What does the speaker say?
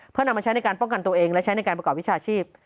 เพื่อนำมาใช้ในการป้องกันตัวเองและใช้ในการประกอบวิชาชีพ